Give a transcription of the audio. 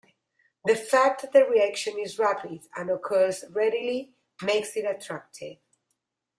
The fact that the reaction is rapid and occurs readily makes it attractive.